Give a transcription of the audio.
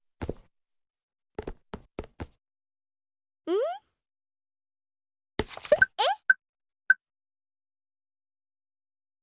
うん？えっ？